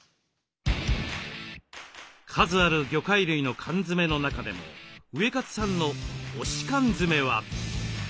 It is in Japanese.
数ある魚介類の缶詰の中でもウエカツさんの「推し缶詰」は？